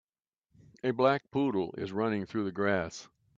A black poodle is running through the grass